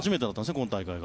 今大会が。